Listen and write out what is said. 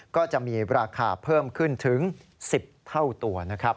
ก็จะมีราคาเพิ่มขึ้นถึง๑๐เท่าตัวนะครับ